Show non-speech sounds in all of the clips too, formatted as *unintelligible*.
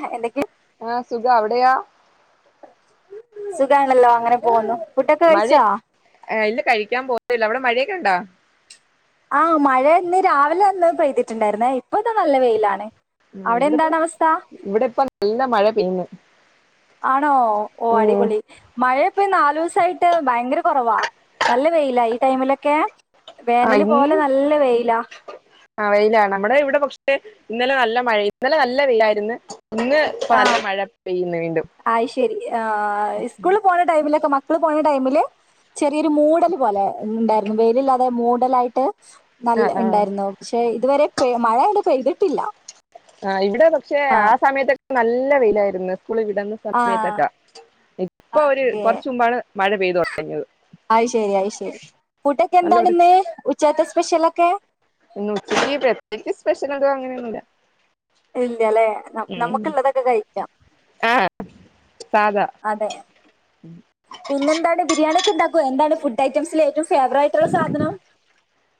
ആ എന്തക്കെ? ആ സുഖം അവിടെയോ? സുഖാണല്ലോ, അങ്ങനെ പോവുന്നു. മഴ ഇല്ല കഴിക്കാൻ പൊന്നേള്ളൂ. അവടെ മഴയൊക്കെ ഉണ്ടോ? ആ മഴ ഇന്ന് രാവിലെ ഒന്ന് പെയ്തിട്ടുണ്ടായിരുന്നേ. ഇതാ നല്ല വെയിലാണ് ആ അവിടെ ഇവിടെപ്പ എന്താണ് അവസ്ഥ ഇവിടെഇപ്പ നല്ല മഴ പെയ്യുന്നു. ആണോ ഓ ഉം അടിപൊളി മഴ ഇപ്പ നാലു ദിവസായിട്ട് ഭയങ്കര കുറവാ, നല്ല വെയിലാ ഈ ടൈമിലൊക്കെ. വേനല് പോലെ നല്ല വെയിലാ. ആ വെയിലാണ് നമ്മുടെ ഇവിടെ പക്ഷേ ഇന്നലെ നല്ല മഴയു, ഇന്ന് ഇപ്പല്ല മഴ പെയ്യുന്നുവീണ്ടും. ശരിയാ. ആ ഇ സ്കൂളിപോണ ടൈമിലൊക്കെ മ ഈ സ്കൂളിപ്പോന്ന ടൈമില് ചെറിയൊരു മൂടല് പോലെ ഇണ്ടാരുന്നു വെയിലില്ലാതെ മൂടലായിട്ട്. നല്ല ആഹ് ആഹ് ഇണ്ടായിരുന്നോ ക്ഷേ ഇതുവരെ പെയ്, മഴ ഇവ്ടെ പെയ്തിട്ടില്ല. ആ ഇവിടെ പക്ഷെ ആ സമയത്തൊ ക്കെ നല്ല വെയിലായിരുന്നു. സ്കൂളിൽ വിടുന്ന ആ സമയത്തൊക്കെ ഇപ്പൊ ഒരു ഓക്കേ, കുറച്ച് മുമ്പാണ് മഴ പെയ്തു തുടങ്ങിയത് അയ്ശരി അയ്ശരി ഫുഡ്‌ നല്ല എന്താണിന്ന് ഉച്ചത്തെ സ്പെഷ്യലൊക്കേ? ന്നുച്ചയ്ക്ക് പ്രത്യേച്ച് സ്പെഷ്യൽ അത് അങ്ങനൊന്നുമില്ല. ഇല്ല്യാല്ലെ നമ് നമുക്കുള്ളതൊക്കെ കഴിക്കാം. ആ സാദാ. അതെ പിന്നെന്താണ്. ബിരിയാണിതിന്നോ ഒക്കെണ്ടാക്കോ. എന്താണ് ഫുഡ് ഐറ്റംസിൽ ഏറ്റവും ഫേവറായിട്ടുള്ള സാധനം.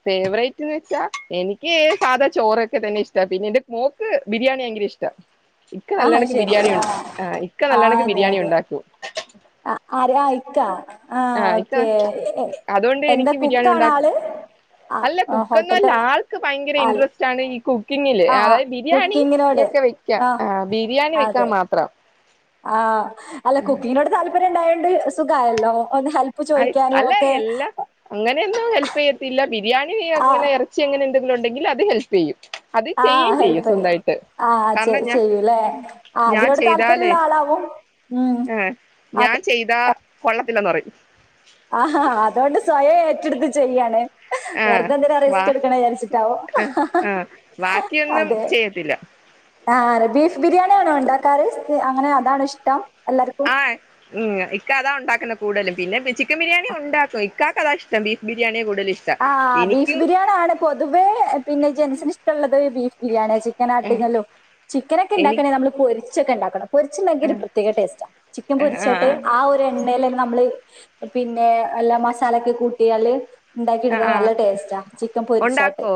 ഫേവറേറ്റ് എന്ന് വെച്ചാ എനിക്ക് സാധാ ചോറൊക്കെ തന്നെ ഇഷ്ട പിന്നെ എന്റെ മോക്ക് ബിരിയാണി ഭയങ്കര ഇഷ്ടാ. ഇക്ക ആ ന്ന... നല്ലണക്ക് ശരി.. ബിരിയാണി ആ ഉണ്ട് ആഹ് ഇക്ക ആ നല്ലണക്ക് അതെ ബിരിയാണി അതെ ഉണ്ടാക്കും ആ ആരാ ഇക്കാ ആയിക്ക അതുകൊണ്ട് എന്താ എനിക്ക് ബിരിയാണി കുക്കാണോ ഉണ്ടാക്ക. ആള് അല്ല ആ കുക്കൊന്നല്ല ഹോട്ടല് ആൾക്ക് ഭയങ്കര ആ ഇൻട്രസ്റ്റ് ആണ്ഈ കുക്കിങ്ങില് ആ അതായത് ബിരിയാണി കുക്കിങ്ങിനോട് ഒക്കെ വെക്കാ ആ... ബിരിയാണി വെക്കാൻ മാത്രം. ആ അല്ല കുക്കിങ്ങിനോട് താല്പര്യം മൂപ്പർണ്ടായോണ്ട് സുഖായല്ലോ ഒന്ന് ഹെൽപ്പ് ആയി... ചോദിക്കാനും അല്ല. ഒക്കെ എല്ലാ അങ്ങനെയൊന്നും ഹെൽപ് ചെയ്യത്തില്ല. പിന്നെ ബിരിയാണി ആഹ് അങ്ങെനെ ഇറച്ചി അങ്ങനെ.. വീട്ടിൽ ഉണ്ടെങ്കിൽ അത് ഹെൽപ് ചെയ്യും. അത് ആഹ ചെയ്യേം ചെയ്യും ഹെൽപ്പ് സ്വന്തായിട്ട് ആ കാരണം ചെയ് ഞാൻ ചെയ്യൂലെ.. ആ ഞാൻ അതിനോട് ചെയ്താലേ താല്പര്യമുള്ള ആളാവും ഉം അതെ അതെ ഇല്ലന്ന് പറയും ആഹ് അതുകൊണ്ട് സ്വയം ഏറ്റെടുത്ത് ചെയ്യാണ്.. ആഹ് വെർതെന്തിനാ വാ റിസ്ക് എടുക്കണ വിചാരിച്ചിട്ടാവോ... ആഹ് ഹ ഹ ആഹ് ഹ... ബാക്കിയൊന്നും അതെ. ചെയ്യത്തില്ല ആ ബീഫ് ബിരിയാണിയാണോ ഉണ്ടാക്കാറ്. അങ്ങനെ അതാണോ ഇഷ്ടം. എല്ലാർക്കും ആഹ്... ഉം ഇക്ക അതാ ഉണ്ടാക്കുന്ന് കൂടലും പിന്നെ പിച്ചി... ചിക്കൻ ബിരിയാണി ഉണ്ടാക്കും ഇക്കാക്കതാ ഇഷ്ടം ബീഫ് ബിരിയാണിയാ കൂടുതൽ ഇഷ്ടം ആഹ... ബീഫ് എനിക്കും ബിരിയാണി ആണ്. പൊതുവേ പിന്നെ ജൻസിന് ഇഷ്ടമുള്ളത് ബീഫ്.... ബിരിയാണിയാ ഇഷ്ട്ടം ഏഹ് ചിക്കൻ *unintelligible* ചിക്കനൊക്കെ എനി ഇണ്ടാക്കാണെങ്കിൽ നമ്മൾ പൊരിച്ച്ട്ട്... ഉച്ചക്കെണ്ടാക്കണം പൊരിച്ച് ണ്ടാ ക്കിയാൽ ഒരു ആഹ് പ്രത്യേക ടേസ്റ്റാ. ചിക്കൻ ആഹ് പൊരിച്ചിട്ട് ആ ഒരു എണ്ണേൽ അങ്... നമ്മള് പിന്നെ... അല്ലാ മസാലൊക്കെ കൂട്ടിയാല് ഉണ്ടാക്കി ആഹ് എടുത്താ ആഹ് നല്ല ടേസ്റ്റാ. ചിക്കൻ പൊരിച്ചാട്ട് ഉണ്ടാക്കോ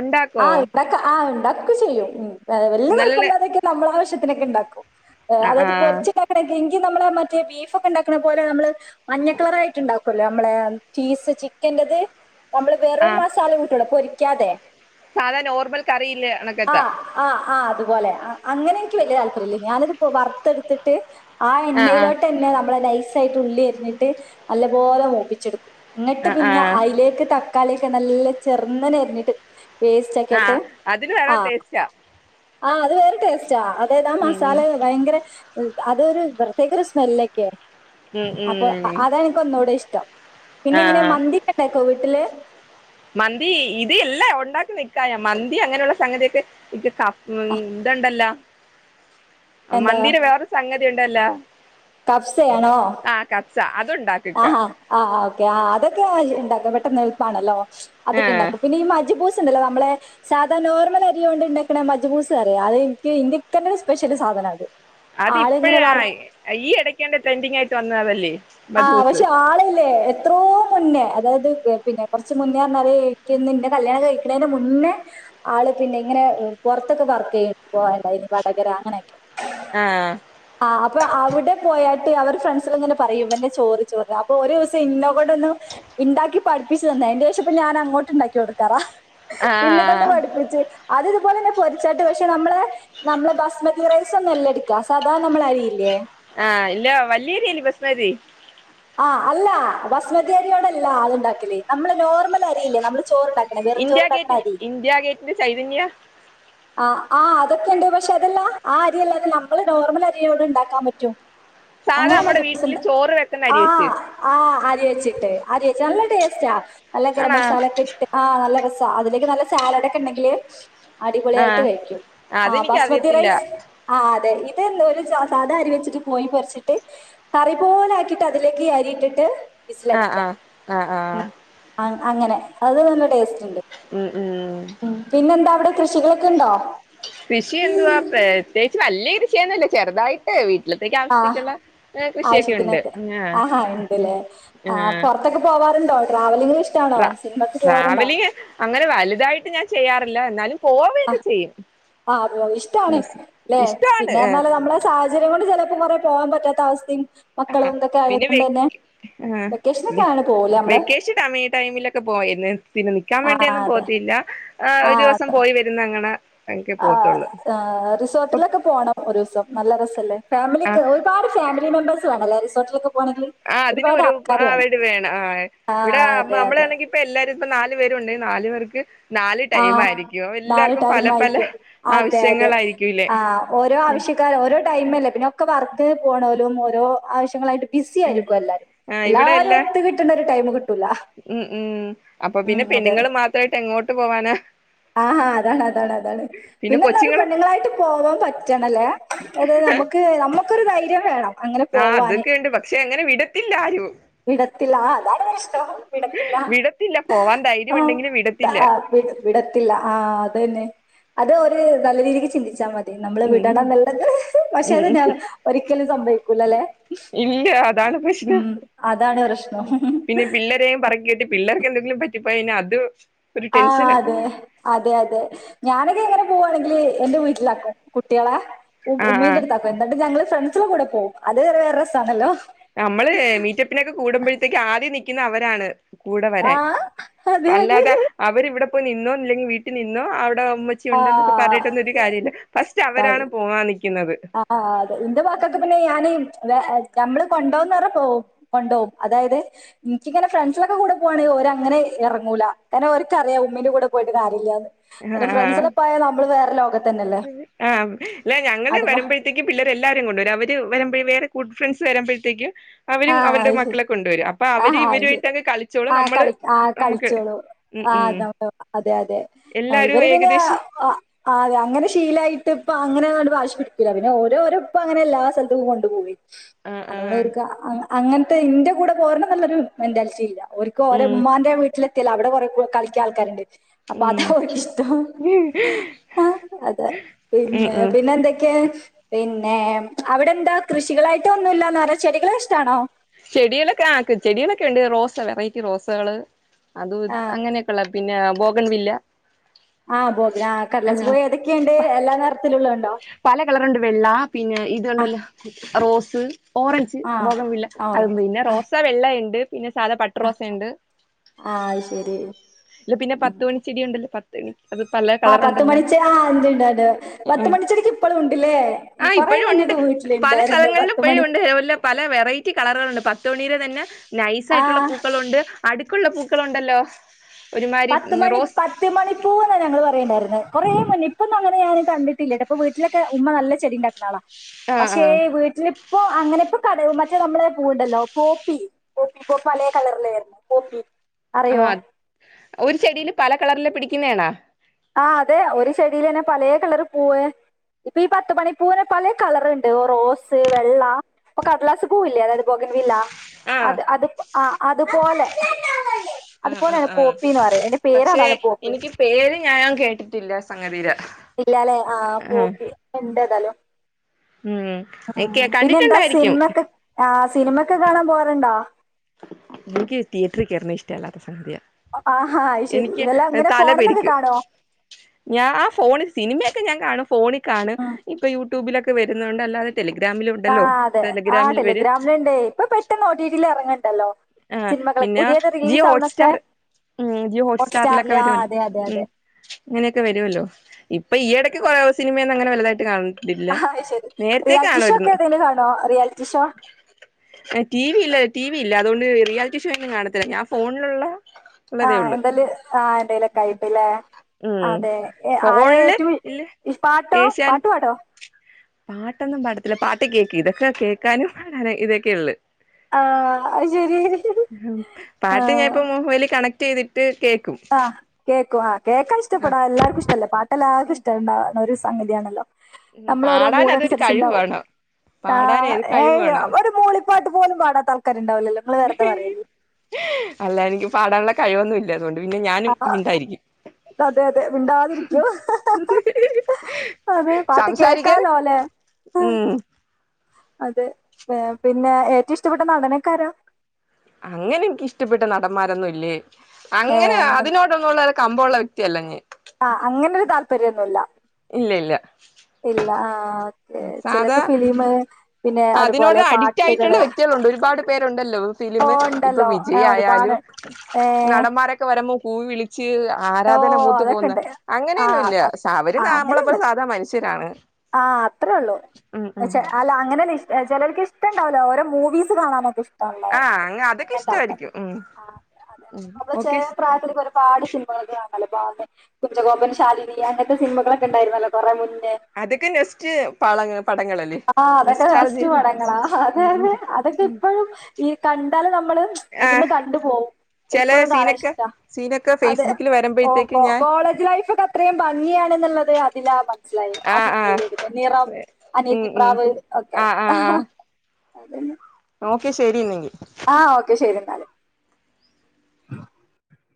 ഉണ്ടാക്കോ ആഹ ഉണ്ടാക്ക ആ ഉണ്ടാ ക്കാ ഒക്കെ ചെയ്യും ഉമ് വല്ല്യയ നല്ല കൊയ്പ്പല്ലാതെയക്കെ നമ്മളെ ആവശ്യത്തിന് ഇങ്ങനെക്കെണ്ടാക്കും... ആ.. ആഹ് അതായത് ആഹ് പൊരിച്ചിണ്ടാക്കണെങ്കിൽ... പ്പ നമ്മളെ മറ്റേ ബീഫ് ഒക്കെ ഉണ്ടാക്കുന്ന പോലെ നമ്മള് മഞ്ഞ കളർ ആയിട്ട് ഉണ്ടാക്കുല്ലോ. നമ്മള ചീസ് ചിക്ക്... ന്റത് നമ്മള് വെറും ആഹ് മസാല കൂട്ടൂട പൊരിക്കും ക്കാതെ സാധാ നോർമൽ കറിയില്ലണക്കെ ആഹ് ആഹ് ആഹ് അതുപോലെ അങ്ങനെ എനിക്ക് വലിയ താല്പര്യമല്ലേ ഞാനത്പ്പോ വറുത്തെടുത്തിട്ട് ആഹ് എന്നലോട്ട്ല്ല നമ്മളെ നൈസ് ഉള്ളി അരിഞ്ഞിട്ട് നല്ല പോലെ മൂപ്പി ചെടുക്കും ആഹ് പിന്നെ ആഹ് അതിലേക്ക് തക്കാളി െ നല്ല ചെറുന്നന അരിഞ്ഞിട്ട് ആഹ പേസ്റ്റാക്കിയിട്ട് അതിന് വേറെ ദേശ ആഹ് അത് വരട്ടെ അതേതാ മസാല ഉം ഭയങ്കര അതൊരു പ്രത്യേക ഒരു സ്മെല്ലൊക്കെയെ ഉം അപ്പൊ ഉം അത എനിക്ക് ഒന്നുക കൂടെ ഇഷ്ടം പിന്നെ എങ്ങനെ ആഹ് മന്തിക്കണ്ട കോവിഡ് വീട്ടിൽ മന്തി ഇത്ല്ലേ ഉണ്ടാക്കി നക്കായ മന്തി അങ്ങനെയുള്ള സംഗതിക്കെ ഇക്ക് ക ഇതുണ്ടല്ലോ എന്താ മന്ദിര വേറൊരു സംഗതി ഉണ്ട് ബല്ല കഫ്സയാണോ ആ അതുണ്ടാക്കിക്ക ആ ഓക്കെ ആ അതൊക്കെ ഉണ്ടാക്ക പെട്ടെന്ന് ആണല്ലോ ആ അതൊക്കെ ഉണ്ടാക്കും പിന്നെഈ മ്ജപൂസ് ഉണ്ടല്ല നമ്മളെ സാധാ നോർൽ അരിയ കൊണ്ട്ണ്ടാക്കണ മജ്ബൂസസ് അറിയ അത് എനിക്ക് ഇന്ത്യക്ക തന്നെ സ്പെഷ്യല് സാധനം അത് അത് ഇപ്പോഴ ആളിങ്ങനെ വറു ഈ ഇടക്കേണ്ട ട്രെൻഡിങ് ആയിട്ട് ചനവലി ആ പക്ഷെ ആളില്ലേ എത്രോ മുന്നേ അതായത് പിന്നെ കുറച്ച് മുന്നേറ കഴിക്കുന്നന്റെ കല്യാണം കഴിക്കണതിന്റെ മുന്നേ ആള് പിന്നെ ഇങ്ങനെ പുറത്തൊക്കെ വർക്ക് ചെയ പോന്ത ഇനി വടകര അങ്ങനെയൊക്കെ ആ ആ അപ്പൊ അവിടെ പോയട്ട് അവർക്ക് ഫ്രണ്ട്സിൽ അങ്ങന പറയും ചോറ് ചോറ് അപ്പൊ ഒരു ദിവസം ഇന്നോ കൂടെ ഒന്ന് ഉണ്ടാക്കി പഠിപ്പിച്ചു തന്ന അതിന്റെ ശേ ഷം ഇപ്പോ ഞൻ അങ്ങോട്ടുണ്ടാക്കി കൊടുക്കാറാ ആ ഇന്നെ കൊണ്ട് പഠിപ്പിച്ച് അത് ഇതുപോലെ തന്നെ പൊരിച്ചാട്ട് പക്ഷെ നമ്മളെ നമ്മളെ ബസ്മതി റൈസ് ഒന്നും എല്ലാം എടക്കാം സാ നമ്മള അറിയില്ലേ ആഹ് ഇല്ല വലിയരില്ല ബസ്മതി ആ അല്ല ബസ്മതി അരിയോടല്ല അത് ഉണ്ടാക്കല് നമ്മള് നോർമൽ അരിയില്ലേ നമ്മള് ചോറുണ്ടാക്കണ വെറും ഇന്ത്യാ ചോറുണ്ടാക്കണ ഗേറ്റിന് അരി ഇന്ത്യാ ഗേറ്റിന് ചൈതന്യാ ആ ആ അതൊക്കെ ഉണ്ട് പക്ഷെ അതെല്ലാ ആ അരിയല്ലാതെ നമ്മള് നോർമൽ അരിയോട് ഉണ്ടാക്കാൻ പറ്റും സാധാ അങ്ങനെ നമ്മടെ മജ്ബൂസ് വീട്ടില് ഉണ്ട് ചോറ് വെക്കുന്ന അരി ആ വെച്ച് ആ ആ അരി ച്ചിട്ട് അരീച്ച് നല്ല ടേസ്റ്റാ നല്ല ഗരം ആണാ മസാല ഒക്കെ ഇട്ട് ആ നല്ല രെസ അതിലൊക്കെ നല്ല സാലഡ് ഒക്കെ ഉണ്ടെങ്കിൽ ആ അടിപൊളിയായിട്ട് കഴിക്കും ആ അതെനിക്ക് ബസ്മതി അറിയത്തില്ല റൈസ് ആ ഇതന്നെ ഒരു സാദാ അരി വെച്ചിട്ട് *unintelligible* അതിലേക്ക് ഈ അരിയിട്ടിട്ട് ആ ആ ആ ആ അ അങ്ങനെ അത് നല്ല ടേസ്റ്റ് ഉണ്ട് ഉം ഉം പിന്നെന്താ അവിടെ കൃഷികളൊക്കെ ഉണ്ടോ? കൃഷി എന്തുവാ പ്രത്യേകിച്ച് വല്യ കൃഷിയൊന്നുമില്ല ചെറുതായിട്ട് വീട്ടിലത്തേക്ക് ആ ആവശ്യത്തേക്കുള്ള ഏഹ് കൃഷിയൊക്കെ ഉണ്ട് ആവശ്യത്തിനൊക്കെ ആഹ് ആഹാ ഉം ഉണ്ടല്ലേ ആ ആഹ് പുറത്തൊക്കെ പോവാറുണ്ടോ ട്രാവലിങ്ങ് ട്രാ ട്രാവലിങ്ങ് അങ്ങനെ വലുതായിട്ട് ഞാൻ ചെയ്യാ അല്ല എന്നാലും പോവയൊക്കെ ചെയ്യും ആ അത്‌ തന്നെ ഇഷ്ടാണ് അല്ലെ ഇഷ്ടമാണ് പിന്നെ നമ്മള് നമ്മടെ സാഹചര്യം കൊണ്ട് ചില പോകാൻ പറ്റാത്ത അവസ്ഥയും ആ മക്കളും ഇതൊക്കെ പിന്നെ ആയതുകൊണ്ട് തന്നെ വെക്കേ ആ വെക്കേഷനൊക്കെ ആണ് പോവൂലേ നമ്മള് വെക്കേഷൻ ടൈമിലൊക്കെ പോയിരുന്നു പിന്നെ നിക്കാൻ ആ വേണ്ടിയൊന്നും അതെ പോത്തില്ല ആ ഒരു ദിവസം പോയി വരുന്ന അങ്ങനെ ഒക്കെ ആ പോത്തുള്ളൂ റിസോർട്ടിലൊക്കെ പോണം ഒരു ദിവസം നല്ല രസല്ലേ ഫാമിലി ആഹ് ഒരുപാട് ഫാമിലി മെമ്പേഴ്സ് *unintelligible* റിസോർട്ടിലൊക്കെ പോകണമെങ്കിൽ ആ അതിനും ഒരുപാട് ആൾക്കാർ ഒരുപാട് വേണം ആ ആ ഇവിടെ അതെ അതെ നമ്മളാണെങ്കി ഇപ്പ എല്ലാരും ഇപ്പൊ നാല് പേരുണ്ടെങ്കിൽ നാല് പേർക്ക് നാല് ആ ടൈം ആയിരിക്കും നാല് എല്ലാർക്കും ടൈം പല പല ആയിരിക്കും അതെ അതെ ആവശ്യങ്ങളായിരിക്കുംല്ലേ ആ ഓരോ ആവശ്യക്കാര് ഓരോ ടൈമല്ലേ പിന്നെ ഒക്കെ വർക്ക് പോണലും ഓരോ ആവശ്യങ്ങളായിട്ട് ബിസി ആയിരിക്കും എല്ലാരും ആ ഇവിടെ എല്ലാരും എല്ലാ ഒത്ത് കിട്ടേണ്ട ഒരു ടൈം കി ഉം ഉം അപ്പൊ പിന്നെ പെണ്ണുങ്ങൾ മാത്രമായിട്ട് എങ്ങോട്ട് ഇട്ട് പോവാന ആഹ് അതാണ് അതാണ് അതാണ് പിന്നെ പിന്നെന്താറിയോ കൊച്ചുങ്ങള് പെണ്ണുങ്ങളായിട്ട് പോവാൻ പറ്റണല്ലേ അത് നമുക്ക് നമ്മു ക്കൊരു ധൈര്യം വേണം അങ്ങനെ ആ പോവാന് അതൊക്കെയുണ്ട് പക്ഷേ അങ്ങനെ വിടത്തില്ലാരും വിടത്തില്ല ആഹ് അതാണ് പ്രശ്നം വിടത്തില്ല വിടത്തില്ല പോവാൻ ധൈര്യം ആ ഉണ്ടെങ്കിലും താ വിടത്തില്ല വിട് വിടത്തില്ല ആഹ് അതന്നെ അത് ഒര് നല്ല രീതിക്ക് ചിന്തിച്ചാ മതി നമ്മള് ഉം വിടണന്ന്ള്ളത് പക്ഷെ അത് ഉം ന ഒരിക്കലും സംഭവിക്കൂലല്ലെ ഇല്ല അതാണ് പ്രശ്നം അതാണ് പ്രശ്നം പിന്നെ പിള്ളരെയും പറക്കീട്ട് പിൾ പിള്ളേർക്കെന്തെങ്കിലും പറ്റിപ്പോയാ ഇന്നെ അത് ഒരു ആഹ് ടെൻഷനാ അതെ അതെ അതെ ഞാന് ന് എങ്ങാനും പൂവാണെങ്കില് എന്റെ വീട്ടിലാക്കും കുട്ടികളെ ഉ ആ ആ ഉമ്മീന്റടുത്താക്കും എന്നട്ട് ഞങ്ങള് ഫ്രെണ്ട്സള കൂട പോവും അത് ഒരു വേറെ രസാന്നല്ലോ നമ്മള് മീറ്റപ്പിനൊക്കെ കൂടുമ്പോഴത്തേക്ക് ആദ്യം നി ക്കുന്ന അവരാണ് കൂടെ ആ വരാൻ അതെ അതെ അല്ലാതെ അവരിവട പോയി നിന്നോന്ന് ല്ലെങ്കി വീട്ടി നിന്നോ അവിട് ട ഉമ്മച്ചി ആ ഉണ്ടൊന്നൊക്കെ പറഞ്ഞിട്ടൊന്നൊരു കാര്യല്ല ഫസ്റ്റ് അവരാണ് പോവാൻ നിക് ആഹ് അതെ എൻ്റ മക്കക്ക് പിന്നെ ഞാന് വേ ഞമ്മ്ള് കൊണ്ടോവുന്നറഞ്ഞാ പോവും കൊണ്ടോവും അതായത് ഇൻക്കിങ്ങനെ ഫ്രണ്ട്സ്ളൊക്കെ കൂടെ പോവാണെങ്കി ഓരങ്ങനെ എറങ്ങൂല എന ഓര്ക്കറിയാ ഉമ്മീന്റെ കൂടെ പോയിട്ട് കാര്യില്ലാന്ന് എൻ്റെ ഫ്രണ്ട്സള് പോയാ നമ്മള് വേറെ ലോകത്ത് ആഹ് ല്ല ഞങ്ങള് അതുമ്പോ വരുമ്പഴത്തേക്ക് പിള്ളേരും എല്ലാരേം കൊണ്ടുവരും അവര് വ വരമ്പഴേ വേറെ ഗുഡ് ഫ്രണ്ട്സ് വരമ്പഴത്തേക്ക് ആഹ് അത് ശരി ആഹ് അവര് അത് ശരി ഇവരുമായിട്ടൊക്കെ കളിച്ചോളും ആ നമ്മള് കളി ആഹ് നമുക്ക് കളിച്ചോളും ഉം ഉം ആഹ് *inaudible* അതെ അതെ ആ എല്ലാരും ഇവര് പിന്നെ *inaudible* ഏകദേശം അങ്ങനെ ശ് ശീലായിട്ട്പ്പ അങ്ങനെ ങ്ങട് വാ വാശി പിടിക്കൂല പിന്നെ ഓരെ ഓരെ ഉപ്പ അങ്ങനെ എല്ലാ സലത്ത്ക്കും കൊണ്ടുപോവ്വേ ആ ആ അതോടെ ഒരു കാ അങ്ങൻത്തെ ഇന്റെ കൂടെ പോരണംന്നുള്ളൊരു മെന്റാലിറ്റി ഇല്ല ഓര്ക്ക് ഓരെ ഉം ഉമ്മാന്റെ വീട്ടില് ത്യൽ അവിടെ കുറെ കു കളിക്യാ ആൾക്കാര്ണ്ട് അപ്പൊ ഉം അതാ അവർക്കിഷ്ടം ഉം അതെ പിന്നെ ഉം പിന്നെ എന്തൊക്കെയ പിന്നെ അവിടെന്താ കൃഷികളായിട്ട് ഒന്നുല്ലാന്ന പറ ചെടികള ഇഷ് റ്റാണോ ചെടിയിലൊക്കെ ആക് ചെടയിലൊക്കെ ഉണ്ട് റോസ വെറൈറ്റി റോസകള് അതു ഇത് ആഹ് അങ്ങനെയൊക്കെള്ള പിന്നെഅ ബൊക് ൺ വില്ല ആഹ് ബോഗന ആ കടലാസ് ബോയിഅതൊക്കെണ്ട് എല്ലാ നെർത്തിലുള്ളു പല കളറുണ്ട് വെള്ള പിന്നെ ആ ഇത്ണ്ടല്ലൊ റോസ് സർ ഓറഞ്ച് ആ ബോഖൻ വില്ല ആ അത് ഓറഞ്ച് പിന്നെ ആ റോസ വെള്ള ണ്ട് പിന്നെ സാധാ പട്ടറോസുണ്ട് ആ ശരി ലെ പിന്ന ഉം പത്തു മണിച്ചെടിയുണ്ട് പത്ത്ന് ആ പത്തുമണിചെ ആ *unintelligible* പത്തുമണിച്ചെടിക്ക് ഇപ്പളു ഉണ്ട്ല്ലേ ആ കൊറെ ഇപ്പോഴും ഉണ്ട് മുന്നെക്കെ വീട്ടില് പല ഇണ്ടായിരുന്നു സ്ഥലങ്ങളിലും ഇപ്പോഴും പത്തുമണി തുണിയില് തന്നെ നൈസായിട്ടുള്ള പൂക്കളുണ്ട് അടുക്കുള്ള പൂക്കളുണ്ടല്ലോ ഒരുമാതിരി പത്ത് മണി റോസ് പത്ത് മണിപ്പൂന്നാ ഞങ്ങള് പറയണ്ടായിര്ന്നെ കൊറേ മുന്നെ പ്പൊന്നങ്ങനെഞാൻ കണ്ടിട്ടില്ല ട്ടൊ പ്പൊ വീട്ടിലൊക്കെ ഉമ്മ നല്ലചെടി ണ്ടാക്ന്നാളാ ആ പക്ഷെ ആ വീട്ടിലിപ്പോ അങ്ങനെ പ്പൊ കഥല് മറ്റേ നമ്മളെ പൂവ്ണ്ടല്ലോ പോപ്പി പോപ്പി പോ പലെ കളറിലായിരുന്നു പോപ്പി അറിയോ ആ ഒരു ചെടില് പല കളറില് പിടിക്കുന്നേണാ ആ അതെ ഒരു ചെടിയിലെന്നെ പലേ കളർ പൂവ് ഇപ്പൊ ഈ പത്ത് മണി പൂവിനെ പലേ കളറ്ണ്ട് റൊ റോസ് വെള്ള പ്പൊ കടലാസ് പൂവ് ല്ലേ അതായത് ബോഗൻ വീല്ല ആഹ് അത് അത്പ ആ അതുപോലെ ആ ആ അതുപോലെയാണ് ആഹ് പോപ്പിന്ന് പറയും എന്റെ പേര് പക്ഷെ അതാണ് പോപ്പി എനിക്ക് പേര് ഞാൻ കേട്ടിട്ടില്ല സംഗതിയില് ഇല്ലല്ലേ ആ പോപ്പി പ്പ ണ്ടെതാലു ഉം ഒ ഓ എനിക്ക് പിന്നെ എന്താ കണ്ടിട്ടുണ്ടായിരിക്കും സിനിമക്കെ ആ സിനിമൊക്കെ കാണാൻ പൊവാറുണ്ടോ? *unintelligible* ക്ക് തിയേറ്റ്റി കെർണഹ് ഇഷ്ടല്ലാത്ത സംഗതിയ ആഹാ ആ ശരി എനിക്ക് ഇതല്ലാം അങ്ങന തല ഫോണ്ന്നൊക്കെ പെരിക്കും കാണോ ഞ കാണും ഫോണിൽ ആണ് ഉം. ഇപ്പൊ യൂട്യൂബിലൊക്കെ വരും ന്നുണ്ട് അല്ലാതെ ടെലിഗ്രാമിലും ആ ഉണ്ടല്ലോ അതെ ആ ടെലിഗ്രാമിൽ വരും ടെലിഗ്രാമിലുണ്ട് ഇപ്പൊ പെട്ടെന്ന് ഒടിട്ടില് ഇറങ്ങണ്ട് ആ പിന്നെ ജിയോ ആവുന്നൊക്കെ ഹോട്ട്സ്റ്റാർ ഉം ജിയോ ഹോട്ട് ഹോട്ട്സ്റ്റാറിലൊക്കെ സ്റ്റാറില് ആ വരുമല്ലോ അതെ അതെ ഉം അതെ അങ്ങനെയൊക്കെ വരുവല്ലോ ഇപ്പൊ ഈയിടക്ക് കൊ റേ സിനിമ വലുതായിട്ട് കാണണ്ട് ആ ശരി റിയാലിറ്റി ഷോ ഒക്കെ ഏതെങ്കിലും കാണോ റിയാലിറ്റി ഷോ ആ ടിവിയിലെ ടി വി ഇല്ല അതുകൊണ്ട് റിയാലിറ്റി ഷോന്നും കാണത്തില്ല ഞാ ഫോണിലുള്ള ഉള്ളതേ ആഹ ഉള്ളൂ എന്തായാലും ആ എന്തായലൊക്കെ ആയിട്ടില്ലേ ഉം അതെ ആരെ ഫോണില് ഏറ്റവും ഇല്ല പാട്ടോ ഏഷ്യാൻ പാട്ടു പാടോ പാട്ടൊന്നും പാടത്തില്ല പാട്ട് കേക്കി ഇതൊക്കെ കേക്കാനും പ ഇതൊക്കെയ ഉള്ളു ആ അത് ശരി ആ ക്റ്റ് എയ്തിട്ട് ആ കേക്കും ആ കേക്കാൻ ആ ഇഷ്ടപ്പെടാം എല്ലാർക്കും ഇഷ്ടല്ലേ പാട്ട് എല്ലാവർക്കും ഇഷ്ടണ്ട സംഗതിയാണല്ലോ ഉം നമ്മൾ ഓരോ പാടാൻ അതൊരു മൂടനുസരിച്ച് കഴിവ് ഉണ്ടാവും വേണം ആ പാടാൻ ഏത് ഏ കഴിവ് വേണം ഒരു മൂളിപ്പാട്ട ഇതുപോലും പാടാത്ത ആൾക്കാർ അല്ല എനിക്ക് പാടാനുള്ള കഴിവൊന്നുല്ല അതുകൊണ്ട് പിന്നെ ഞാനും ആ മിണ്ടായിരിക്കും അതെ അതെ മിണ്ടാതിരിക്കോ അതേ പാട്ട് സംസാരിക്കാൻ കേക്കാലോ അല്ലെ ഉം അതെ പിന്നെ ഏറ്റവും ഇഷ്ടപ്പെട്ട നടൻ ഒക്കെ ആരാ അങ്ങനെ എനിക്ക് ഇഷ്ടപ്പെട്ട നടന്മാരൊന്നുമില്ലേ അങ്ങനെ അതിനോടൊന്നുള്ള കമ്പമുള്ള വ്യക്തിയല്ല ഞാൻ ആ അങ്ങനെ ഒരു താല്പര്യം താൽപര്യന്നുല്ല ഇല്ല ഇല്ല ഇല്ല ആ ഓക്കേ. സാധാ ചിലക്ക് ഫിലിം പിന്നെ അതിനോട് അതുപോലെ അഡിക്റ്റ് ആയിട്ടുള്ള പാട്ടുകള് വ്യക്തികൾ ഉണ്ട് ഒരുപാട് പേരുണ്ടല്ലോ ഓ ഫിലിം ഇപ്പൊ ഉണ്ടല്ലോ ആ, വിജയ് ഒരുപാട് ആയാലും ഏ നടന്മാരൊക്കെ *unintelligible* വിളിച്ച ഓ ആരാധന മൂത്ത അതൊക്കെ പോകുന്ന ഉണ്ട് ആ അങ്ങനെയൊന്നും ഇല്ല അത്- അവർ ആ നമ്മളെപ്പോലെ അങ്ങനെയൊന്നുമില്ല സാധാ മനുഷ്യരാണ്. ആ അത്രേ ഉള്ളൂ ഉം ഉം അല്ല അങ്ങനെ ചിലർക്ക് ഇഷ്ടണ്ടാവല്ലോ ഓരോ മൂവീസ് കാണാനൊക്കെ ഇഷ്ട ട്ടള്ളേ ആഹ് അങ്ങ അതൊക്കെ അങ്ങനെത്തെ ആൾക്കാർ ഇഷ്ടമായിരിക്കും ഉം ആ അതെ ഉം നമ്മുടെ ഓക്കെ ചെറിയ പ്രായത്തിൽ ഒരുപാട് ഫിലിമുകളൊക്കെ കാണാല്ലോ *unintelligible* കുഞ്ചകോമ്പൻ, ശാലിനി അങ്ങനത്തെ സിനിമകളൊക്കെ ഉണ്ടായിര്ന്നല്ലോ കുറെ മുൻ അതെ ആ അതൊക്കെ നസ്റ്റു നെസ്റ്റാൾജിയല്ലേ പടങ്ങളാ അതെ ഉം ഉം അതെ അതൊക്കെ ഉം ഇപ്പഴും ഈ കണ്ടാല് നമ്മള് ഇരുന്ന് ആഹ് കണ്ടു പോവും ചെല ഇപ്പഴും കാണാൻ സീനൊക്കെ ഇഷ്ടാ. സീനൊക്കെ അതെ ഫേസ്ബുക്കിൽ ഓ വരുമ്പോഴത്തേക്ക് കോ ഞാൻ കോളേജ് ലൈഫ് ഒക്കെ അത്രയും ഭംഗിയാണെന്നുള്ളത് അതിലാ മനസ്സിലായേ ആ ആഹ് സിനി ആഹ് നിറം, ഉം ഉം അനിയത്തിപ്രാവ് ഒക്കെ ആഹ് ആഹ് ആഹ് അതെന്നെ ഓക്കെ ശെരിയെന്നെങ്കി ആഹ് ഓക്കെ ശെരിന്നാല്